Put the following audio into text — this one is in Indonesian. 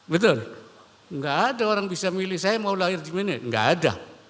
betul nggak ada orang bisa milih saya mau lahir di mana nggak ada